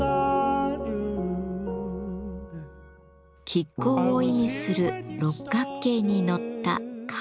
亀甲を意味する六角形に乗った亀。